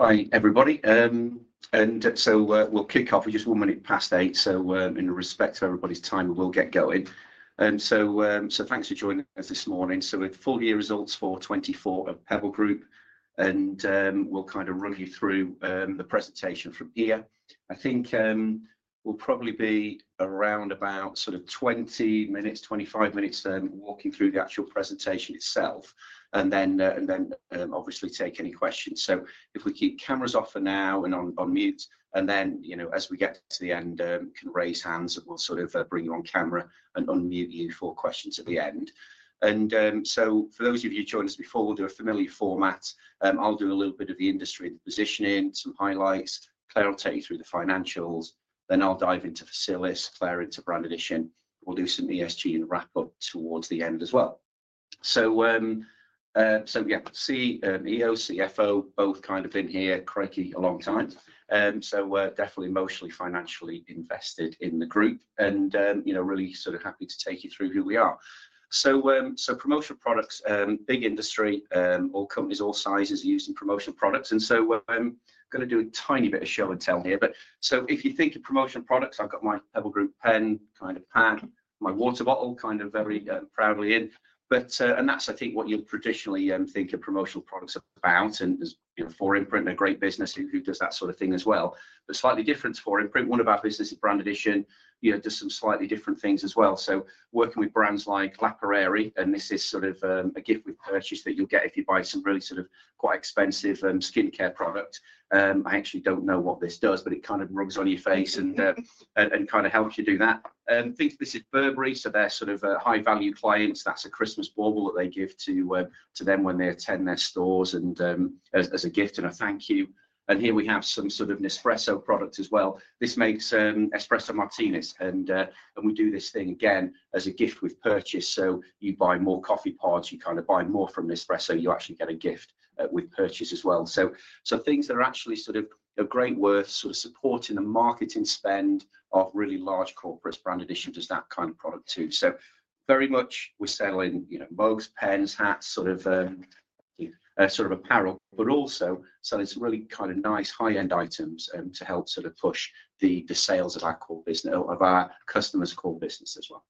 Hi, everybody. We'll kick off. We're just one minute past eight, so in respect of everybody's time, we will get going. Thanks for joining us this morning. We have Full Year Results for 2024 of Pebble Group, and we'll kind of run you through the presentation from here. I think we'll probably be around about 20 minutes, 25 minutes walking through the actual presentation itself, and then obviously take any questions. If we keep cameras off for now and on mute, and then as we get to the end, can raise hands, and we'll sort of bring you on camera and unmute you for questions at the end. For those of you who joined us before, we'll do a familiar format. I'll do a little bit of the industry, the positioning, some highlights. Claire will take you through the financials. I'll dive into Facilis, Claire into Brand Addition. We'll do some ESG and wrap up towards the end as well. Yeah, CEO, CFO, both kind of in here, [creaky] a long time. Definitely emotionally, financially invested in the group, and really sort of happy to take you through who we are. Promotional products, big industry, all companies, all sizes are using promotional products. I'm going to do a tiny bit of show and tell here. If you think of promotional products, I've got my Pebble Group pen, kind of pad, my water bottle, kind of very proudly in. That's, I think, what you'll traditionally think of promotional products about, and 4Imprint, a great business who does that sort of thing as well. Slightly different, 4Imprint, one of our businesses, Brand Addition, does some slightly different things as well. Working with brands like La Prairie, and this is sort of a gift with purchase that you'll get if you buy some really sort of quite expensive skincare products. I actually don't know what this does, but it kind of rubs on your face and kind of helps you do that. I think this is Burberry, so they're sort of high-value clients. That's a Christmas bauble that they give to them when they attend their stores as a gift and a thank you. Here we have some sort of Nespresso product as well. This makes Espresso Martinis, and we do this thing again as a gift with purchase. You buy more coffee pods, you kind of buy more from Nespresso, you actually get a gift with purchase as well. Things that are actually sort of a great worth, sort of supporting the marketing spend of really large corporate, Brand Addition does that kind of product too. Very much we're selling mugs, pens, hats, sort of apparel, but also selling some really kind of nice high-end items to help sort of push the sales of our customers' core business as well.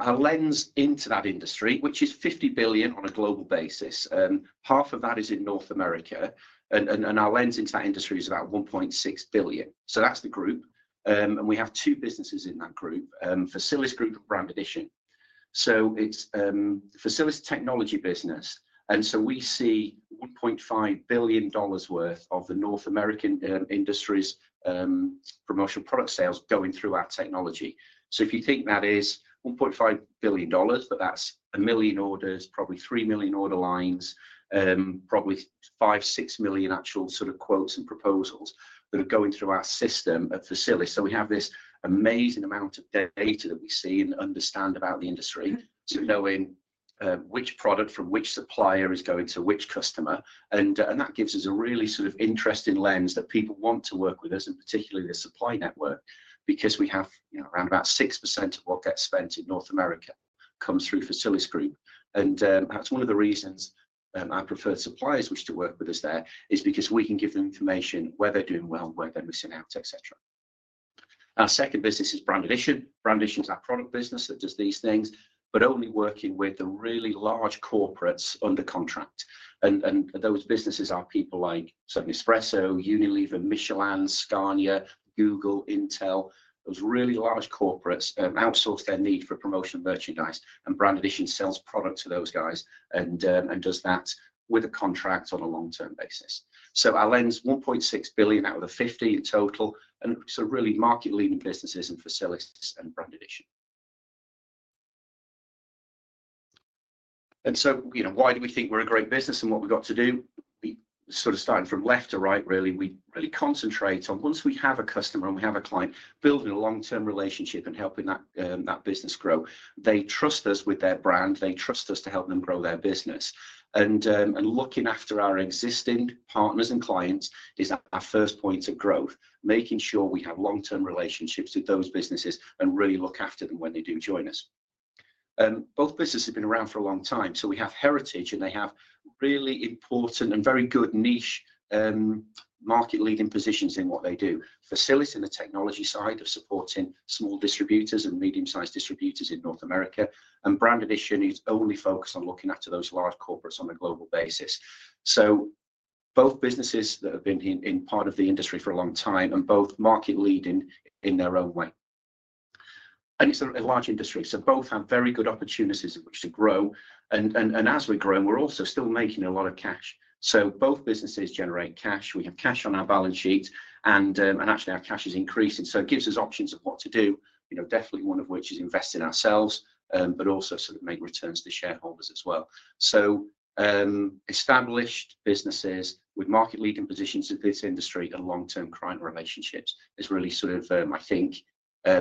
Our lens into that industry, which is $50 billion on a global basis, half of that is in North America, and our lens into that industry is about $1.6 billion. That is the group, and we have two businesses in that group, Facilisgroup and Brand Addition. It is Facilis' technology business, and we see $1.5 billion worth of the North American industry's promotional product sales going through our technology. If you think that is $1.5 billion, but that's a million orders, probably 3 million order lines, probably 5-6 million actual sort of quotes and proposals that are going through our system at Facilis. We have this amazing amount of data that we see and understand about the industry, so knowing which product from which supplier is going to which customer. That gives us a really sort of interesting lens that people want to work with us, and particularly the supply network, because we have around about 6% of what gets spent in North America comes through Facilisgroup. One of the reasons I prefer suppliers which to work with us there is because we can give them information where they're doing well, where they're missing out, etc. Our second business is Brand Addition. Brand Addition is our product business that does these things, but only working with the really large corporates under contract. Those businesses are people like Nespresso, Unilever, Michelin, Scania, Google, Intel. Those really large corporates outsource their need for promotional merchandise, and Brand Addition sells product to those guys and does that with a contract on a long-term basis. Our lens, $1.6 billion out of the $50 billion in total, and really market-leading businesses in Facilisgroup and Brand Addition. Why do we think we're a great business and what we've got to do? Sort of starting from left to right, really, we really concentrate on once we have a customer and we have a client building a long-term relationship and helping that business grow, they trust us with their brand, they trust us to help them grow their business. Looking after our existing partners and clients is our first point of growth, making sure we have long-term relationships with those businesses and really look after them when they do join us. Both businesses have been around for a long time, so we have heritage, and they have really important and very good niche market-leading positions in what they do. Facilis on the technology side of supporting small distributors and medium-sized distributors in North America, and Brand Addition is only focused on looking after those large corporates on a global basis. Both businesses have been part of the industry for a long time and both are market-leading in their own way. It is a large industry, so both have very good opportunities in which to grow. As we grow, we are also still making a lot of cash. Both businesses generate cash. We have cash on our balance sheet, and actually our cash is increasing, so it gives us options of what to do, definitely one of which is invest in ourselves, but also sort of make returns to shareholders as well. Established businesses with market-leading positions in this industry and long-term client relationships is really sort of, I think,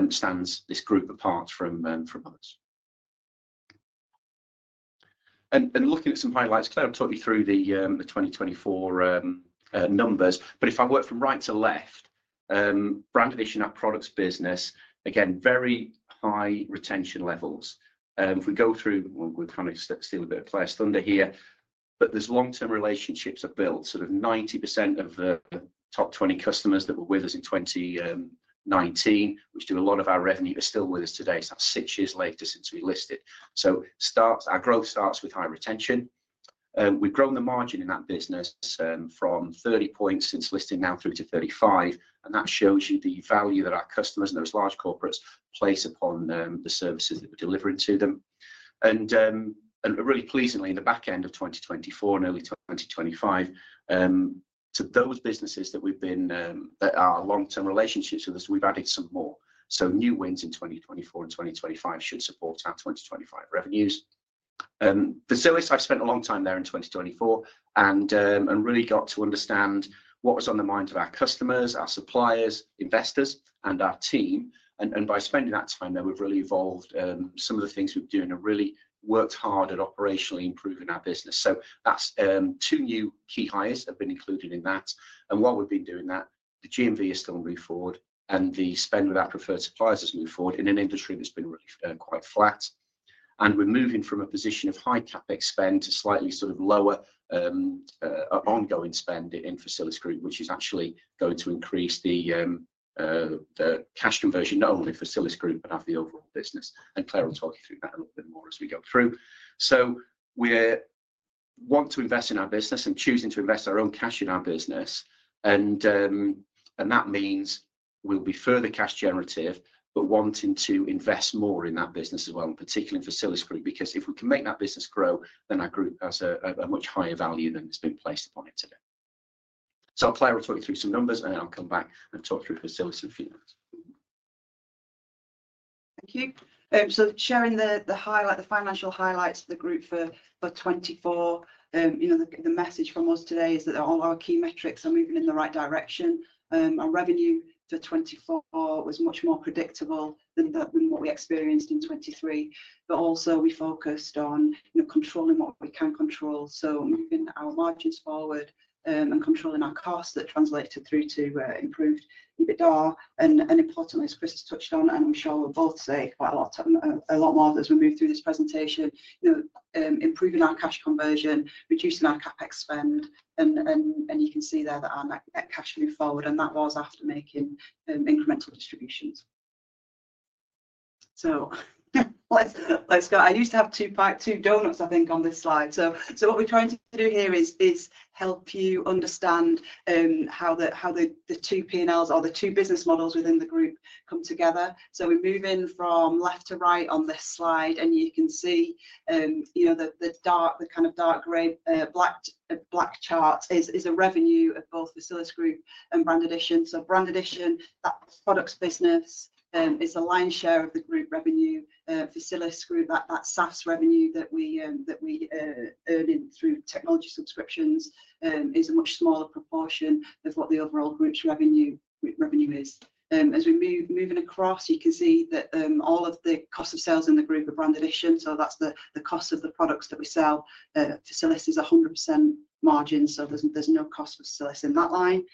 stands this group apart from others. Looking at some highlights, Claire, I've talked you through the 2024 numbers, but if I work from right to left, Brand Addition, our products business, again, very high retention levels. If we go through, we promise that still [inaudible] under here, but these long-term relationships are built. 90% of the top 20 customers that were with us in 2019, which do a lot of our revenue, are still with us today. That is six years later since we listed. Our growth starts with high retention. We've grown the margin in that business from 30 percentage points since listing now through to 35, and that shows you the value that our customers and those large corporates place upon the services that we're delivering to them. Really pleasingly, in the back end of 2024 and early 2025, to those businesses that we've been that are long-term relationships with us, we've added some more. New wins in 2024 and 2025 should support our 2025 revenues. Facilis, I've spent a long time there in 2024 and really got to understand what was on the mind of our customers, our suppliers, investors, and our team. By spending that time there, we've really evolved some of the things we've been doing and really worked hard at operationally improving our business. Two new key hires have been included in that. While we've been doing that, the GMV has still moved forward, and the spend with our preferred suppliers has moved forward in an industry that's been really quite flat. We're moving from a position of high CapEx spend to slightly sort of lower ongoing spend in Facilisgroup, which is actually going to increase the cash conversion, not only facilisgroup, but of the overall business. Claire will talk you through that a little bit more as we go through. We want to invest in our business and choosing to invest our own cash in our business. That means we'll be further cash generative, but wanting to invest more in that business as well, particularly in facilisgroup, because if we can make that business grow, then our group has a much higher value than it's been placed upon it today. Claire will talk you through some numbers, and then I'll come back and talk through Facilis in a few minutes. Thank you. Sharing the financial highlights of the group for 2024, the message from us today is that all our key metrics are moving in the right direction. Our revenue for 2024 was much more predictable than what we experienced in 2023, but also we focused on controlling what we can control. Moving our margins forward and controlling our costs translated through to improved EBITDA. Importantly, as Chris has touched on, and I'm sure we'll both say quite a lot more as we move through this presentation, improving our cash conversion, reducing our CapEx spend, and you can see there that our net cash moved forward, and that was after making incremental distributions. Let's go. I used to have two donuts, I think, on this slide. What we're trying to do here is help you understand how the two P&Ls or the two business models within the group come together. We're moving from left to right on this slide, and you can see the kind of dark gray black chart is a revenue of both Facilisgroup and Brand Addition. Brand Addition, that products business, is a lion's share of the group revenue. Facilisgroup, that SaaS revenue that we earn through technology subscriptions, is a much smaller proportion of what the overall group's revenue is. As we're moving across, you can see that all of the cost of sales in the group are Brand Addition. That's the cost of the products that we sell. Facilis is 100% margin, so there's no cost for Facilis in that line.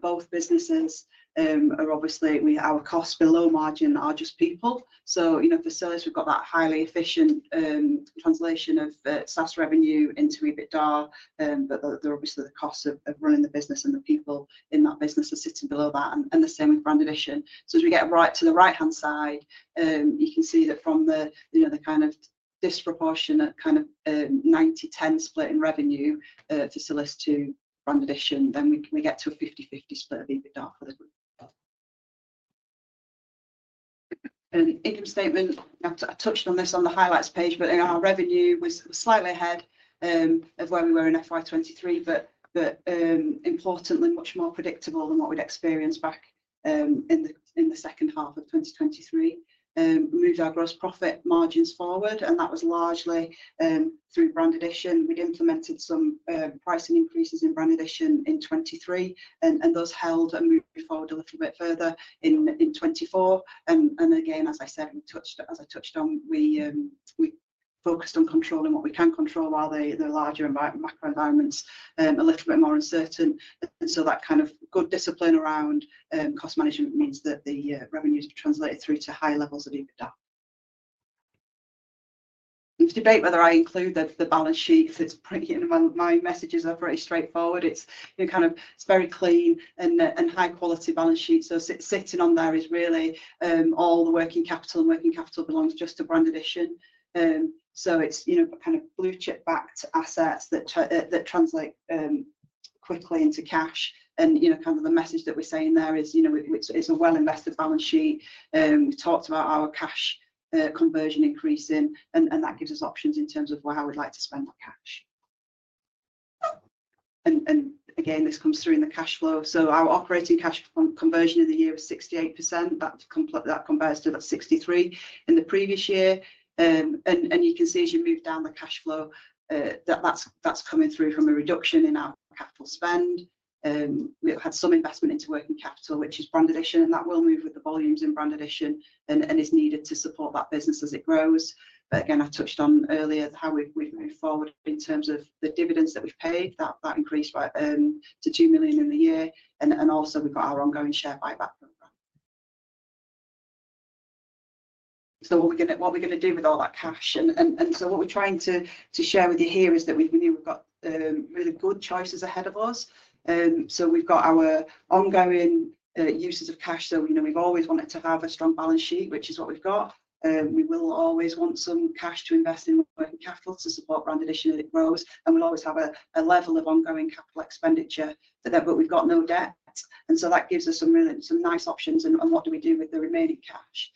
Both businesses are obviously our costs below margin are just people. Facilis, we've got that highly efficient translation of SaaS revenue into EBITDA, but obviously the cost of running the business and the people in that business are sitting below that, and the same with Brand Addition. As we get to the right-hand side, you can see that from the kind of disproportionate kind of 90/10 split in revenue Facilis to Brand Addition, we get to a 50/50 split of EBITDA for the group. Income statement, I touched on this on the highlights page, but our revenue was slightly ahead of where we were in FY2023, but importantly, much more predictable than what we'd experienced back in the second half of 2023. We moved our gross profit margins forward, and that was largely through Brand Addition. We'd implemented some pricing increases in Brand Addition in 2023, and those held and moved forward a little bit further in 2024. As I said, as I touched on, we focused on controlling what we can control while the larger macro environments are a little bit more uncertain. That kind of good discipline around cost management means that the revenues are translated through to high levels of EBITDA. There's debate whether I include the balance sheet. It's pretty, in my messages, are pretty straightforward. It's kind of very clean and high-quality balance sheet. Sitting on there is really all the working capital and working capital belongs just to Brand Addition. It's kind of blue-chip-backed assets that translate quickly into cash. The message that we're saying there is it's a well-invested balance sheet. We talked about our cash conversion increasing, and that gives us options in terms of how we'd like to spend that cash. Again, this comes through in the cash flow. Our operating cash conversion in the year was 68%. That compares to 63% in the previous year. You can see as you move down the cash flow, that's coming through from a reduction in our capital spend. We've had some investment into working capital, which is Brand Addition, and that will move with the volumes in Brand Addition and is needed to support that business as it grows. I touched on earlier how we've moved forward in terms of the dividends that we've paid. That increased to 2 million in the year. Also, we've got our ongoing share buyback program. What are we going to do with all that cash? What we're trying to share with you here is that we knew we've got really good choices ahead of us. We've got our ongoing uses of cash. We've always wanted to have a strong balance sheet, which is what we've got. We will always want some cash to invest in working capital to support Brand Addition as it grows. We'll always have a level of ongoing capital expenditure, but we've got no debt. That gives us some nice options. What do we do with the remaining cash?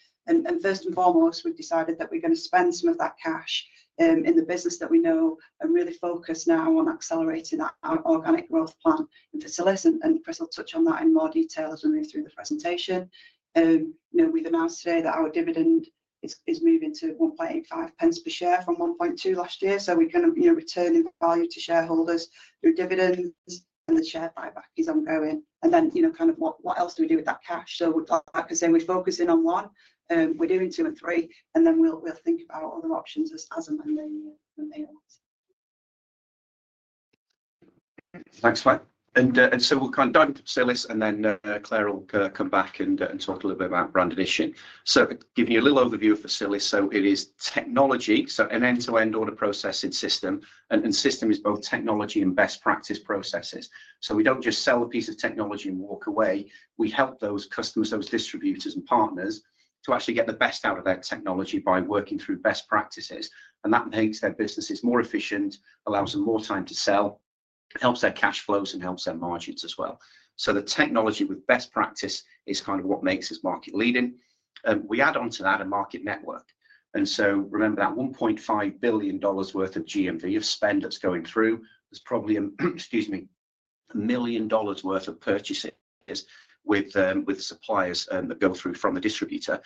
First and foremost, we've decided that we're going to spend some of that cash in the business that we know and really focus now on accelerating our organic growth plan in Facilis. Chris will touch on that in more detail as we move through the presentation. We've announced today that our dividend is moving to 0.0185 per share from 0.012 last year. We're kind of returning value to shareholders through dividends, and the share buyback is ongoing. What else do we do with that cash? I could say we're focusing on one. We're doing two and three, and then we'll think about other options as a mainly. Thanks, Claire. We'll kind of dive into Facilis, and then Claire will come back and talk a little bit about Brand Addition. Giving you a little overview of Facilis, it is technology, an end-to-end order processing system, and system is both technology and best practice processes. We do not just sell a piece of technology and walk away. We help those customers, those distributors and partners, to actually get the best out of their technology by working through best practices. That makes their businesses more efficient, allows them more time to sell, helps their cash flows, and helps their margins as well. The technology with best practice is kind of what makes us market-leading. We add on to that a market network. Remember that $1.5 billion worth of GMV of spend that's going through, there's probably, excuse me, a million dollars worth of purchases with suppliers that go through from the distributor.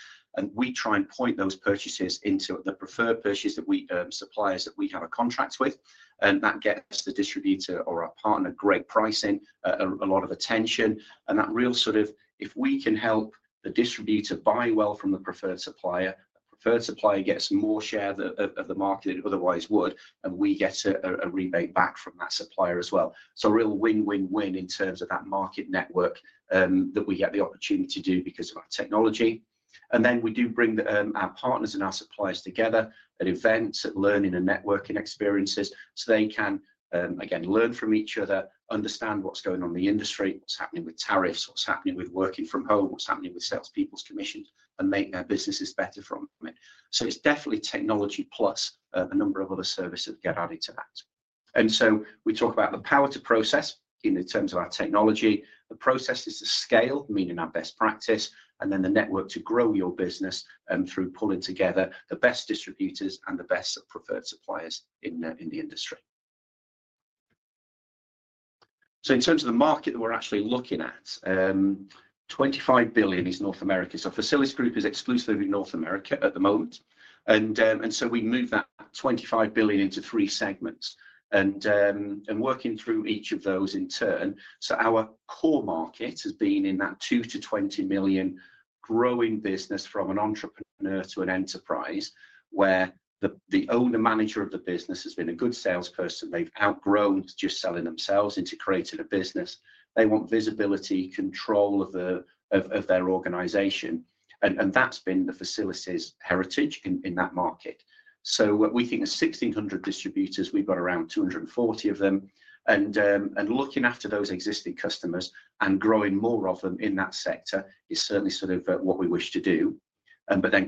We try and point those purchases into the preferred purchases that we suppliers that we have a contract with. That gets the distributor or our partner great pricing, a lot of attention. That real sort of, if we can help the distributor buy well from the preferred supplier, the preferred supplier gets more share of the market than it otherwise would, and we get a rebate back from that supplier as well. A real win-win-win in terms of that market network that we get the opportunity to do because of our technology. We do bring our partners and our suppliers together at events, at learning and networking experiences, so they can, again, learn from each other, understand what's going on in the industry, what's happening with tariffs, what's happening with working from home, what's happening with salespeople's commissions, and make their businesses better from it. It is definitely technology plus a number of other services that get added to that. We talk about the power to process in terms of our technology. The process is to scale, meaning our best practice, and then the network to grow your business through pulling together the best distributors and the best preferred suppliers in the industry. In terms of the market that we're actually looking at, $25 billion is North America. Facilisgroup is exclusively North America at the moment. We move that $25 billion into three segments and working through each of those in turn. Our core market has been in that $2 million-$20 million growing business from an entrepreneur to an enterprise where the owner-manager of the business has been a good salesperson. They've outgrown just selling themselves into creating a business. They want visibility, control of their organization. That's been Facilis' heritage in that market. We think there's 1,600 distributors. We've got around 240 of them. Looking after those existing customers and growing more of them in that sector is certainly sort of what we wish to do.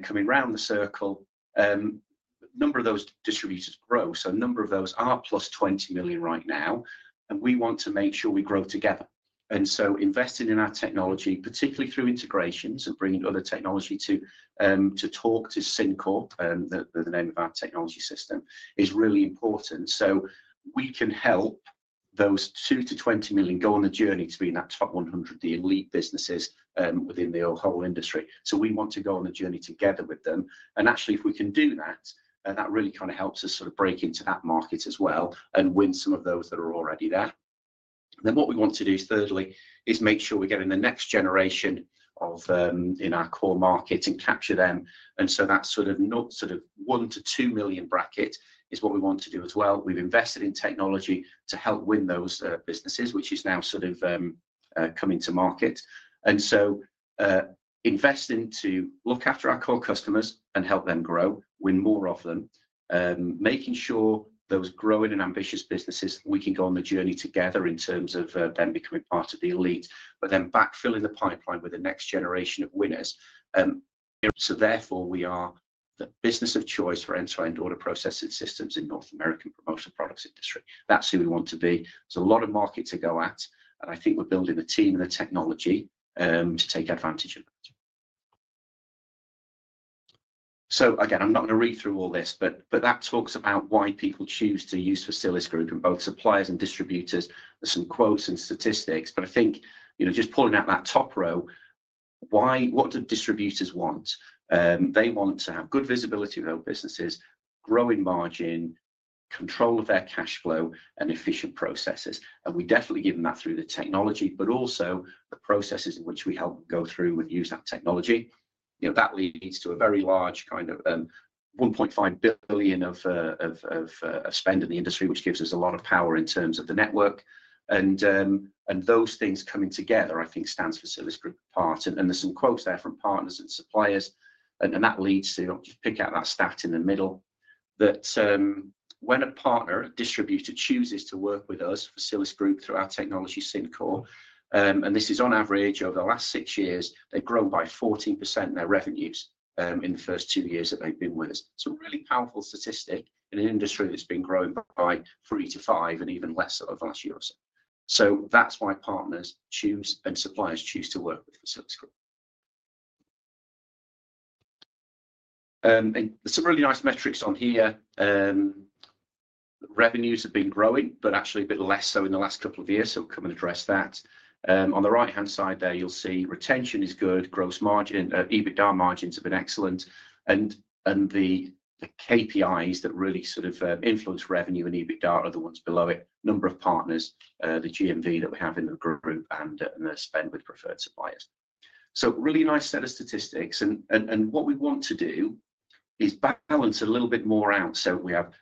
Coming round the circle, a number of those distributors grow. A number of those are plus $20 million right now, and we want to make sure we grow together. Investing in our technology, particularly through integrations and bringing other technology to talk to Syncore, the name of our technology system, is really important. We can help those $2 million-$20 million go on the journey to be in that top 100, the elite businesses within the whole industry. We want to go on the journey together with them. Actually, if we can do that, that really kind of helps us sort of break into that market as well and win some of those that are already there. What we want to do, thirdly, is make sure we're getting the next generation in our core market and capture them. That sort of $1 million-$2 million bracket is what we want to do as well. We've invested in technology to help win those businesses, which is now sort of coming to market. Investing to look after our core customers and help them grow, win more of them, making sure those growing and ambitious businesses, we can go on the journey together in terms of them becoming part of the elite, but then backfilling the pipeline with the next generation of winners. Therefore, we are the business of choice for end-to-end order processing systems in North America and promotional products industry. That is who we want to be. There is a lot of market to go at, and I think we are building the team and the technology to take advantage of that. Again, I am not going to read through all this, but that talks about why people choose to use Facilisgroup and both suppliers and distributors. There are some quotes and statistics, but I think just pulling out that top row, what do distributors want? They want to have good visibility of their businesses, growing margin, control of their cash flow, and efficient processes. We have definitely given that through the technology, but also the processes in which we help go through with use that technology. That leads to a very large kind of $1.5 billion of spend in the industry, which gives us a lot of power in terms of the network. Those things coming together, I think, stand Facilisgroup apart. There are some quotes there from partners and suppliers. That leads to, just pick out that stat in the middle, that when a partner, a distributor, chooses to work with us, Facilisgroup, through our technology, Syncore, and this is on average over the last six years, they have grown by 14% in their revenues in the first two years that they have been with us. It's a really powerful statistic in an industry that's been growing by 3-5% and even less over the last year or so. That is why partners choose and suppliers choose to work with Facilisgroup. There are some really nice metrics on here. Revenues have been growing, but actually a bit less so in the last couple of years. We will come and address that. On the right-hand side there, you will see retention is good. EBITDA margins have been excellent. The KPIs that really sort of influence revenue in EBITDA are the ones below it: number of partners, the GMV that we have in the group, and the spend with preferred suppliers. Really nice set of statistics. What we want to do is balance a little bit more out. We have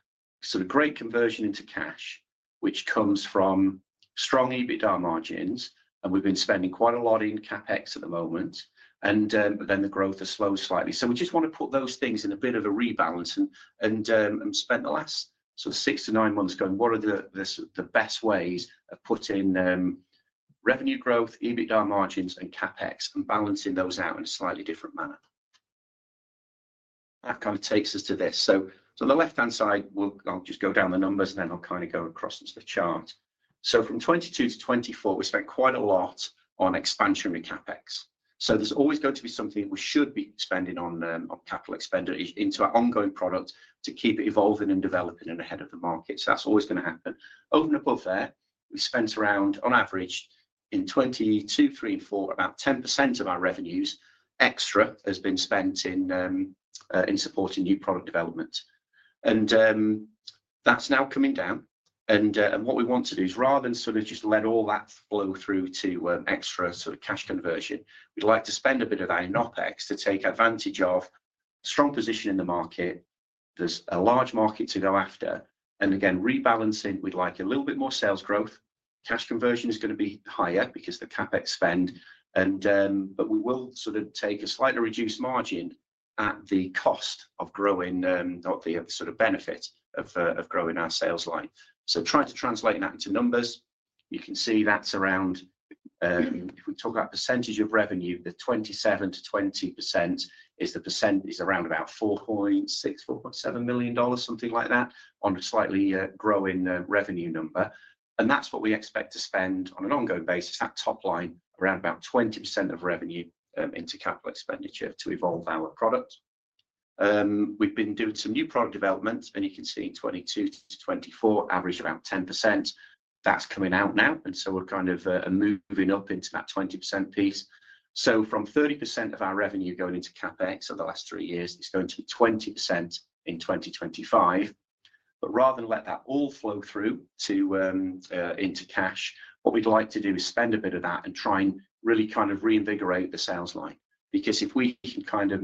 sort of great conversion into cash, which comes from strong EBITDA margins, and we've been spending quite a lot in CapEx at the moment, but then the growth has slowed slightly. We just want to put those things in a bit of a rebalance and spend the last sort of six to nine months going, what are the best ways of putting revenue growth, EBITDA margins, and CapEx, and balancing those out in a slightly different manner? That kind of takes us to this. On the left-hand side, I'll just go down the numbers, and then I'll kind of go across into the chart. From 2022 to 2024, we spent quite a lot on expansionary CapEx. There's always going to be something that we should be spending on, on capital expenditure into our ongoing product to keep it evolving and developing and ahead of the market. That's always going to happen. Over and above there, we spent around, on average, in 2022, 2023, and 2024, about 10% of our revenues extra has been spent in supporting new product development. That's now coming down. What we want to do is, rather than sort of just let all that flow through to extra sort of cash conversion, we'd like to spend a bit of that in OpEx to take advantage of strong position in the market. There's a large market to go after. Again, rebalancing, we'd like a little bit more sales growth. Cash conversion is going to be higher because of the CapEx spend. We will sort of take a slightly reduced margin at the cost of growing the sort of benefit of growing our sales line. Trying to translate that into numbers, you can see that's around, if we talk about percentage of revenue, the 27%-20% is the percent is around about $4.6 million-$4.7 million, something like that, on a slightly growing revenue number. That's what we expect to spend on an ongoing basis, that top line, around about 20% of revenue into capital expenditure to evolve our product. We've been doing some new product development, and you can see 2022 to 2024, average about 10%. That's coming out now. We're kind of moving up into that 20% piece. From 30% of our revenue going into CapEx over the last three years, it's going to be 20% in 2025. Rather than let that all flow through into cash, what we'd like to do is spend a bit of that and try and really kind of reinvigorate the sales line. Because if we can kind of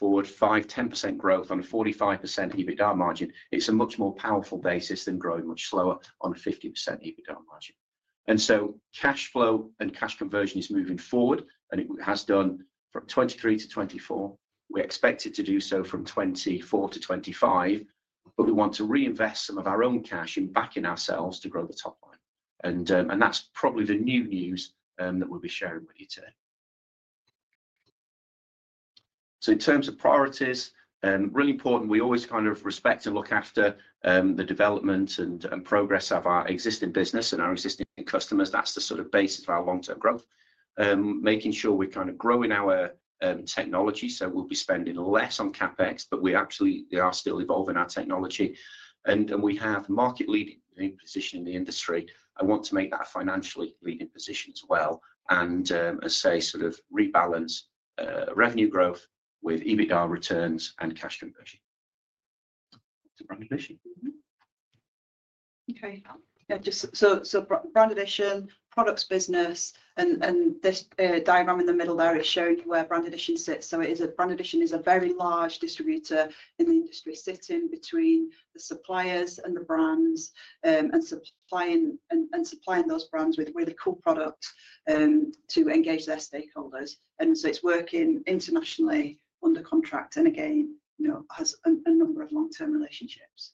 move forward 5%-10% growth on a 45% EBITDA margin, it's a much more powerful basis than growing much slower on a 50% EBITDA margin. Cash flow and cash conversion is moving forward, and it has done from 2023 to 2024. We expect it to do so from 2024 to 2025, but we want to reinvest some of our own cash and back in ourselves to grow the top line. That's probably the new news that we'll be sharing with you today. In terms of priorities, really important, we always kind of respect and look after the development and progress of our existing business and our existing customers. That's the sort of basis of our long-term growth. Making sure we're kind of growing our technology. We will be spending less on CapEx, but we actually are still evolving our technology. We have market-leading position in the industry. I want to make that a financially leading position as well and, as I say, sort of rebalance revenue growth with EBITDA returns and cash conversion. Brand Addition. Okay. Brand Addition, products business, and this diagram in the middle there is showing you where Brand Addition sits. Brand Addition is a very large distributor in the industry sitting between the suppliers and the brands and supplying those brands with really cool products to engage their stakeholders. It is working internationally under contract and, again, has a number of long-term relationships.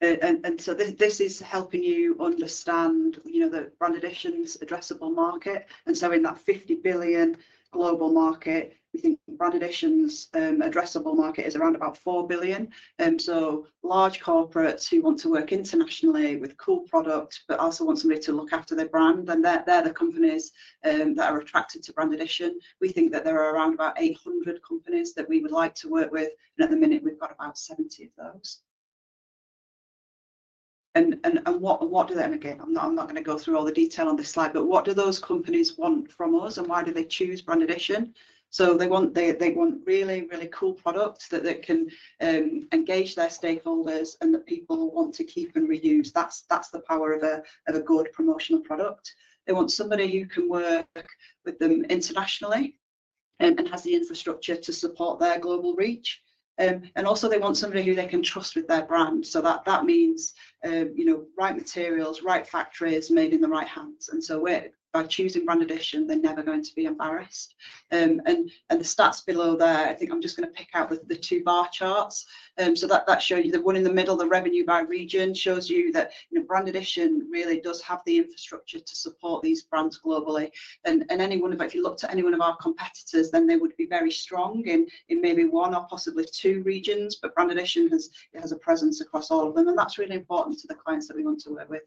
This is helping you understand Brand Addition's addressable market. In that $50 billion global market, we think Brand Addition's addressable market is around about $4 billion. Large corporates who want to work internationally with cool products, but also want somebody to look after their brand, and they're the companies that are attracted to Brand Addition. We think that there are around about 800 companies that we would like to work with, and at the minute, we've got about 70 of those. What do they and again, I'm not going to go through all the detail on this slide—what do those companies want from us, and why do they choose Brand Addition? They want really, really cool products that can engage their stakeholders and that people want to keep and reuse. That's the power of a good promotional product. They want somebody who can work with them internationally and has the infrastructure to support their global reach. They also want somebody who they can trust with their brand. That means right materials, right factories made in the right hands. By choosing Brand Addition, they're never going to be embarrassed. The stats below there, I think I'm just going to pick out the two bar charts. That shows you the one in the middle, the revenue by region shows you that Brand Addition really does have the infrastructure to support these brands globally. If you looked at any one of our competitors, then they would be very strong in maybe one or possibly two regions, but Brand Addition has a presence across all of them. That is really important to the clients that we want to work with.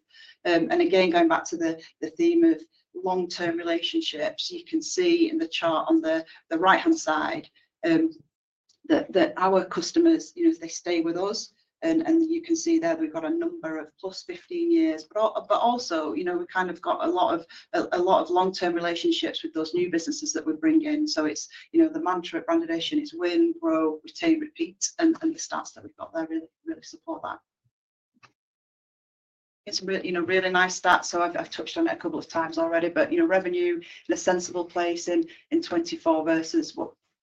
Again, going back to the theme of long-term relationships, you can see in the chart on the right-hand side that our customers, they stay with us. You can see there that we've got a number of plus 15 years, but also we've kind of got a lot of long-term relationships with those new businesses that we're bringing in. The mantra at Brand Addition is win, grow, retain, repeat, and the stats that we've got there really support that. It's a really nice stat. I've touched on it a couple of times already, but revenue in a sensible place in 2024 versus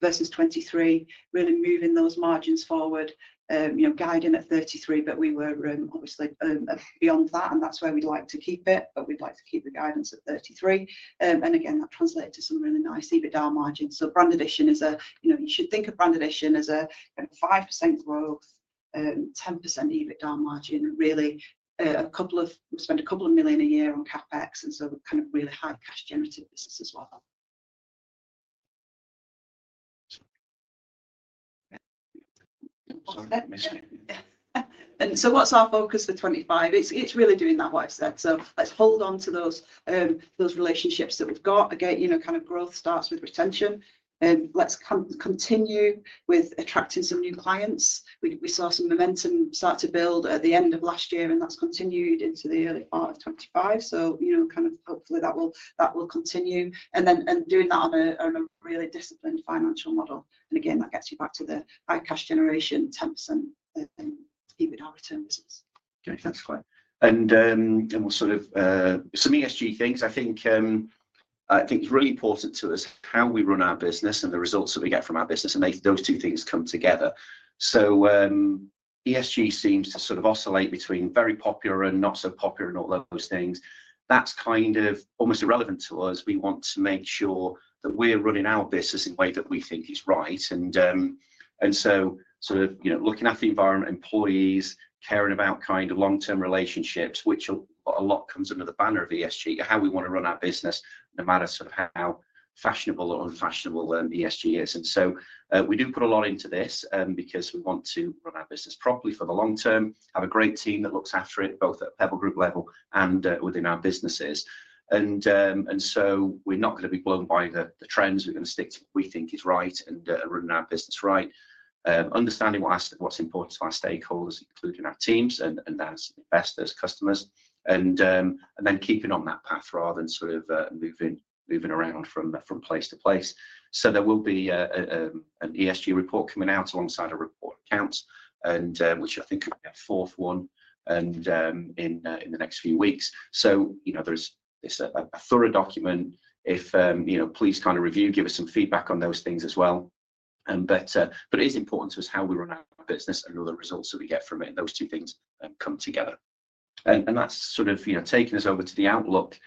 2023, really moving those margins forward, guiding at 33%, but we were obviously beyond that, and that's where we'd like to keep it, but we'd like to keep the guidance at 33%. That translates to some really nice EBITDA margins. Brand Addition is a, you should think of Brand Addition as a 5% growth, 10% EBITDA margin, and really spend a couple of million a year on CapEx. Kind of really high cash-generative business as well. What's our focus for 2025? It's really doing that, what I've said. Let's hold on to those relationships that we've got. Again, kind of growth starts with retention. Let's continue with attracting some new clients. We saw some momentum start to build at the end of last year, and that's continued into the early part of 2025. Kind of hopefully that will continue. Doing that on a really disciplined financial model. Again, that gets you back to the high cash generation, 10% EBITDA return business. Okay. Thanks for that. We will sort of some ESG things. I think it's really important to us how we run our business and the results that we get from our business, and those two things come together. ESG seems to sort of oscillate between very popular and not so popular and all those things. That's kind of almost irrelevant to us. We want to make sure that we're running our business in a way that we think is right. Sort of looking at the environment, employees, caring about kind of long-term relationships, which a lot comes under the banner of ESG, how we want to run our business, no matter sort of how fashionable or unfashionable ESG is. We do put a lot into this because we want to run our business properly for the long term, have a great team that looks after it, both at the Pebble Group level and within our businesses. We are not going to be blown by the trends. We are going to stick to what we think is right and run our business right, understanding what is important to our stakeholders, including our teams and as investors, customers, and then keeping on that path rather than sort of moving around from place to place. There will be an ESG report coming out alongside our report accounts, which I think could be our fourth one in the next few weeks. There is a thorough document. If you would please kind of review, give us some feedback on those things as well. It is important to us how we run our business and the results that we get from it. Those two things come together. That is sort of taking us over to the outlook.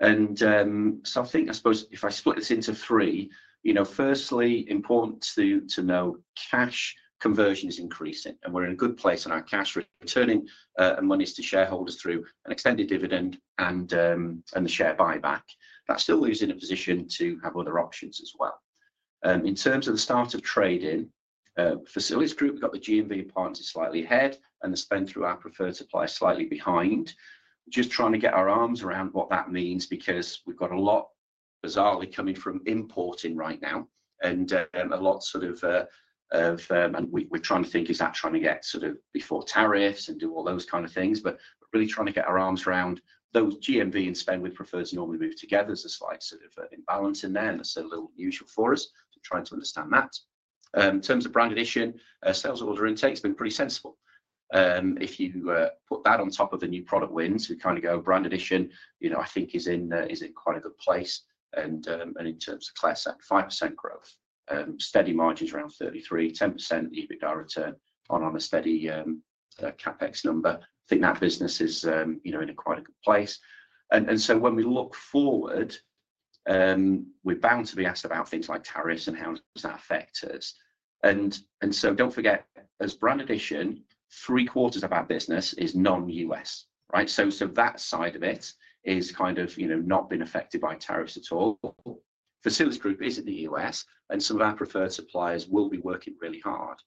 I think, I suppose, if I split this into three, firstly, important to know cash conversion is increasing, and we are in a good place on our cash returning money to shareholders through an extended dividend and the share buyback. That is still leaving a position to have other options as well. In terms of the start of trading, Facilisgroup got the GMV partners slightly ahead and the spend through our preferred supplier slightly behind. Just trying to get our arms around what that means because we've got a lot, bizarrely, coming from importing right now and a lot sort oftrying to think, is that trying to get sort of before tariffs and do all those kind of things? Really trying to get our arms around those GMV and spend with preferreds normally move together as a slight sort of imbalance in there, and that's a little unusual for us. Trying to understand that. In terms of Brand Addition, sales order intake has been pretty sensible. If you put that on top of the new product wins, we kind of go Brand Addition, I think, is in quite a good place. In terms of class, 5% growth, steady margins around 33, 10% EBITDA return on a steady CapEx number. I think that business is in quite a good place. When we look forward, we're bound to be asked about things like tariffs and how does that affect us. Don't forget, as Brand Addition, three quarters of our business is non-U.S., right? That side of it is kind of not been affected by tariffs at all. Facilisgroup is in the U.S., and some of our preferred suppliers will be working really hard.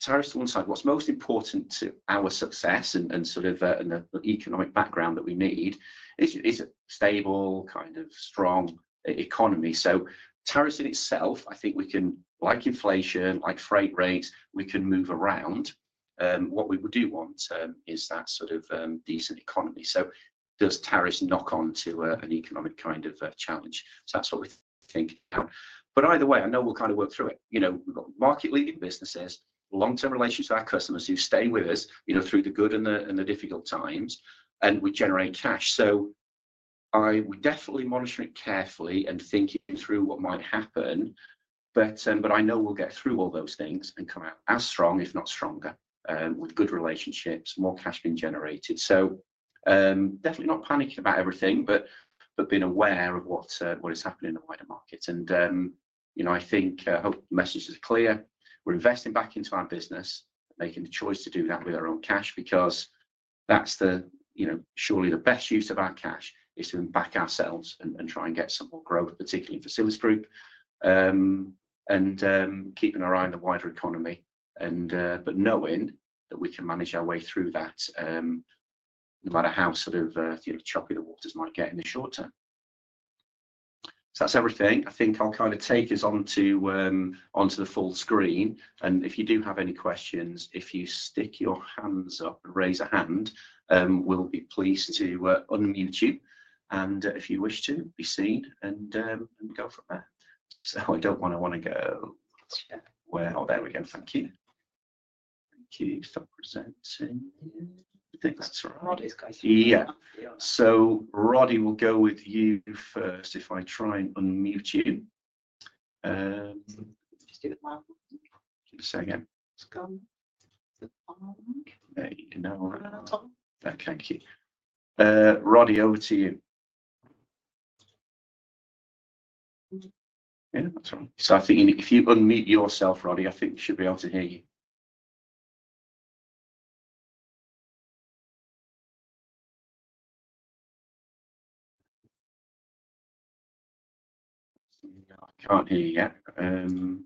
Tariffs to one side, what's most important to our success and sort of the economic background that we need is a stable, kind of strong economy. Tariffs in itself, I think we can, like inflation, like freight rates, we can move around. What we do want is that sort of decent economy. Does tariffs knock onto an economic kind of challenge? That's what we're thinking about. Either way, I know we'll kind of work through it. We've got market-leading businesses, long-term relations with our customers who stay with us through the good and the difficult times, and we generate cash. We are definitely monitoring it carefully and thinking through what might happen. I know we'll get through all those things and come out as strong, if not stronger, with good relationships, more cash being generated. We are definitely not panicking about everything, but being aware of what is happening in the wider markets. I think the message is clear. We're investing back into our business, making the choice to do that with our own cash because that's surely the best use of our cash is to back ourselves and try and get some more growth, particularly in Facilisgroup, and keeping our eye on the wider economy, but knowing that we can manage our way through that no matter how sort of choppy the waters might get in the short term. That's everything. I think I'll kind of take us onto the full screen. If you do have any questions, if you stick your hands up and raise a hand, we'll be pleased to unmute you. If you wish to be seen and go from there. I don't want to go. There we go. Thank you. Thank you for presenting. I think that's right. Yeah. Roddy, we will go with you first if I try and unmute you. Just do it now. Say again. It's gone. There you go. Thank you. Roddy, over to you. Yeah, that's right. I think if you unmute yourself, Roddy, I think we should be able to hear you. I can't hear you.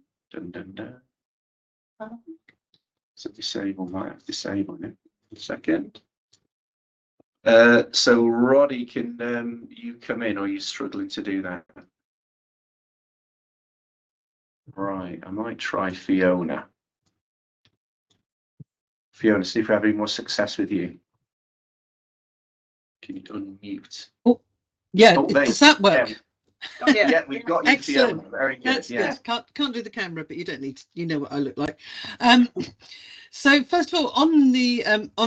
Disable might have disabled it. One second. Roddy, can you come in or are you struggling to do that? Right. I might try Fiona. Fiona, see if we have any more success with you. Can you unmute? Oh, yeah. Does that work? Yeah. We've got you, Fiona. Very good. Can't do the camera, but you know what I look like. First of all, on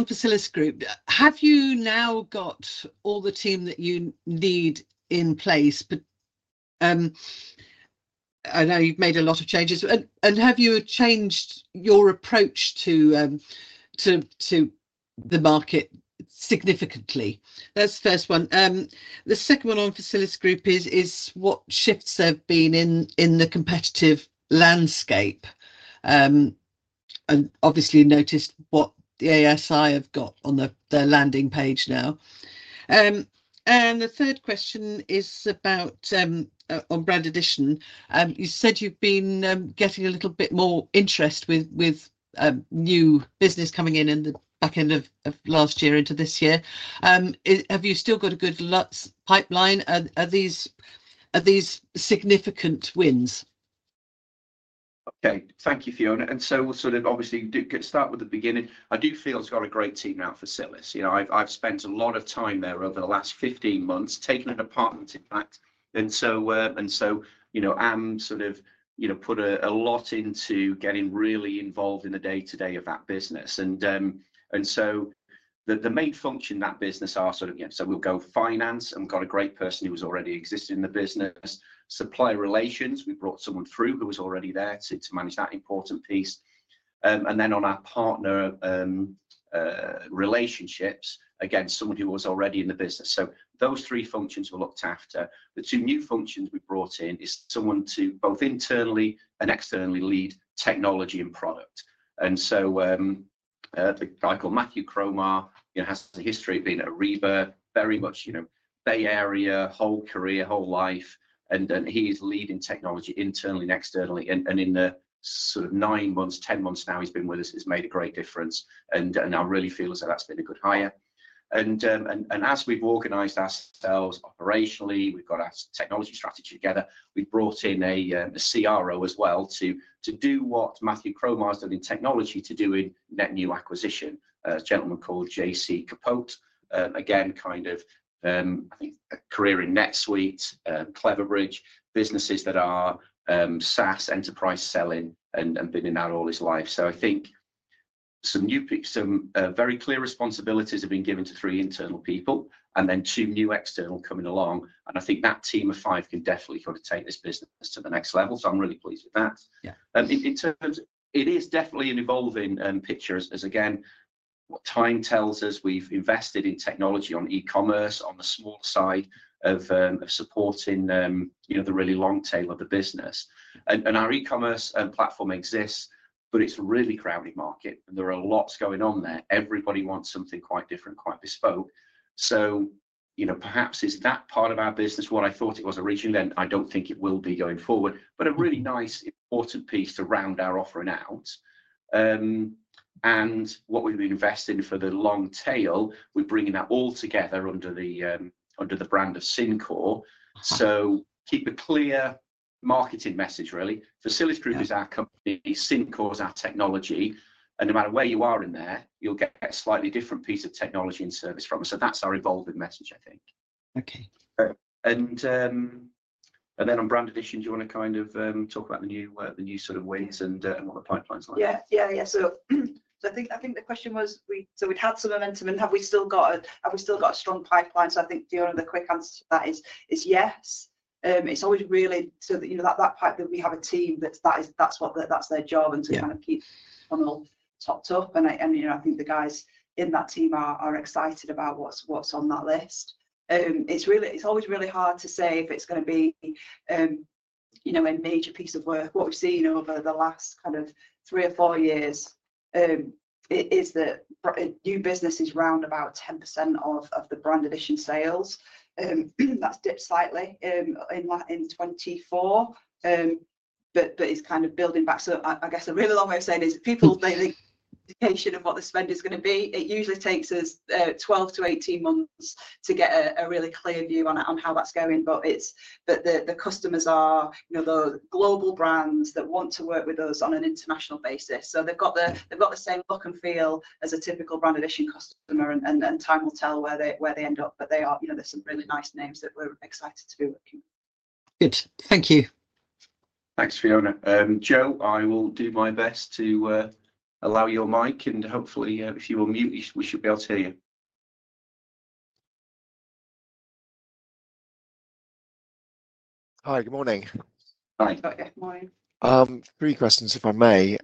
Facilisgroup, have you now got all the team that you need in place? I know you've made a lot of changes. Have you changed your approach to the market significantly? That's the first one. The second one on Facilisgroup is what shifts have been in the competitive landscape? Obviously, notice what the ASI have got on their landing page now. The third question is about Brand Addition. You said you've been getting a little bit more interest with new business coming in in the back end of last year into this year. Have you still got a good pipeline? Are these significant wins? Okay. Thank you, Fiona. We'll sort of obviously start with the beginning. I do feel it's got a great team around Facilis. I've spent a lot of time there over the last 15 months, taking it apart, in fact. I've sort of put a lot into getting really involved in the day-to-day of that business. The main function of that business are sort of, yeah, we'll go finance. We've got a great person who has already existed in the business. Supplier relations, we brought someone through who was already there to manage that important piece. On our partner relationships, again, someone who was already in the business. Those three functions were looked after. The two new functions we brought in is someone to both internally and externally lead technology and product. A guy called Matthew Cromar has a history of being at Ariba, very much Bay Area, whole career, whole life. He is leading technology internally and externally. In the sort of nine months, ten months now he's been with us, it's made a great difference. I really feel as though that's been a good hire. As we've organized ourselves operationally, we've got our technology strategy together. We've brought in a CRO as well to do what Matthew Cromar has done in technology to do in net new acquisition. A gentleman called JC Capote, again, kind of a career in NetSuite, Cleverbridge, businesses that are SaaS enterprise selling and been in that all his life. I think some very clear responsibilities have been given to three internal people and then two new external coming along. I think that team of five can definitely sort of take this business to the next level. I am really pleased with that. It is definitely an evolving picture as, again, time tells us we have invested in technology on e-commerce, on the small side of supporting the really long tail of the business. Our e-commerce platform exists, but it is a really crowded market. There are lots going on there. Everybody wants something quite different, quite bespoke. Perhaps is that part of our business what I thought it was originally? I do not think it will be going forward, but a really nice, important piece to round our offering out. What we have been investing for the long tail, we are bringing that all together under the brand of Syncore. Keep a clear marketing message, really. Facilisgroup is our company. Syncore is our technology. No matter where you are in there, you'll get a slightly different piece of technology and service from us. That is our evolving message, I think. On Brand Addition, do you want to kind of talk about the new sort of wins and what the pipeline is like? Yeah. Yeah. Yeah. I think the question was, we've had some momentum, and have we still got a strong pipeline? I think, Fiona, the quick answer to that is yes. It's always really that we have a team that's their job and to kind of keep them all topped up. I think the guys in that team are excited about what's on that list. It's always really hard to say if it's going to be a major piece of work. What we've seen over the last three or four years is that new business is round about 10% of the Brand Addition sales. That's dipped slightly in 2024, but it's kind of building back. I guess a really long way of saying is people need an indication of what the spend is going to be. It usually takes us 12-18 months to get a really clear view on how that's going. The customers are the global brands that want to work with us on an international basis. They've got the same look and feel as a typical Brand Addition customer, and time will tell where they end up. There are some really nice names that we're excited to be working with. Good. Thank you. Thanks, Fiona. Joe, I will do my best to allow your mic. Hopefully, if you unmute, we should be able to hear you. Hi. Good morning. Hi. Good morning. Three questions, if I may.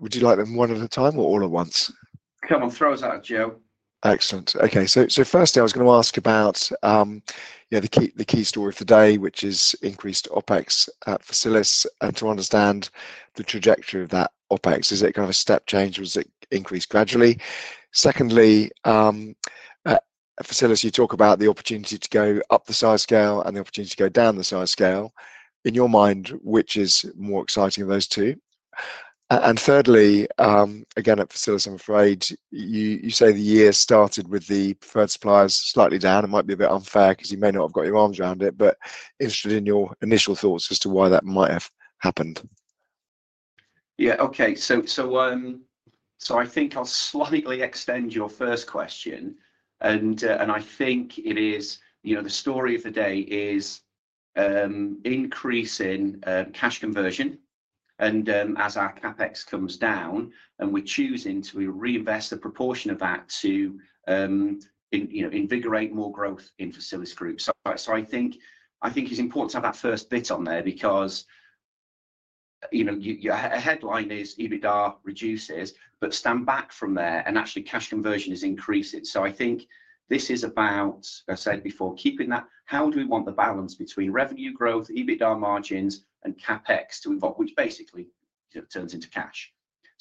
Would you like them one at a time or all at once? Come on. Throw us out, Joe. Excellent. Okay. Firstly, I was going to ask about the key story of the day, which is increased OpEx at Facilisgroup and to understand the trajectory of that OpEx. Is it kind of a step change, or is it increased gradually? Secondly, Facilisgroup, you talk about the opportunity to go up the size scale and the opportunity to go down the size scale. In your mind, which is more exciting of those two? Thirdly, again, at Facilisgroup, I'm afraid you say the year started with the preferred suppliers slightly down. It might be a bit unfair because you may not have got your arms around it, but interested in your initial thoughts as to why that might have happened. Yeah. Okay. I think I'll slightly extend your first question. I think the story of the day is increasing cash conversion. As our CapEx comes down, we're choosing to reinvest a proportion of that to invigorate more growth in Facilisgroup. I think it's important to have that first bit on there because a headline is EBITDA reduces, but stand back from there, and actually cash conversion is increasing. I think this is about, as I said before, keeping that how do we want the balance between revenue growth, EBITDA margins, and CapEx, which basically turns into cash.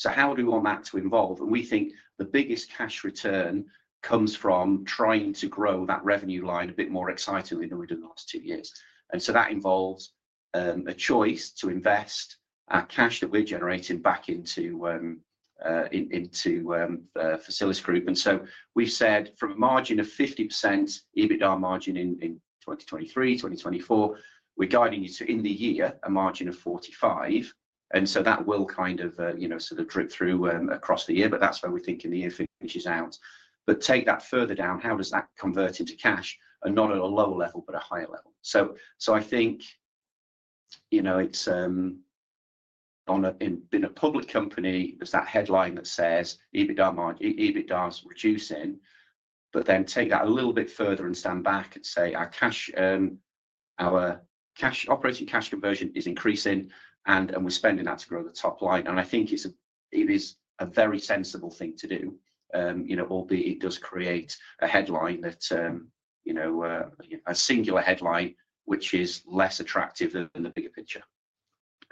How do we want that to evolve? We think the biggest cash return comes from trying to grow that revenue line a bit more excitingly than we did in the last two years. That involves a choice to invest our cash that we're generating back into Facilisgroup. We have said from a margin of 50% EBITDA margin in 2023, 2024, we're guiding you to, in the year, a margin of 45%. That will kind of sort of drip through across the year. That is where we think in the year finishes out. Take that further down. How does that convert into cash? Not at a lower level, but a higher level. I think in a public company, there's that headline that says EBITDA is reducing, but then take that a little bit further and stand back and say our operating cash conversion is increasing, and we're spending that to grow the top line. I think it is a very sensible thing to do, albeit it does create a headline that a singular headline, which is less